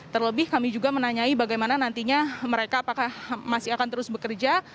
terlebih kami juga menanyai bagaimana nantinya mereka apakah masih akan terus bekerja